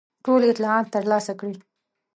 ټول اطلاعات ترلاسه کړي.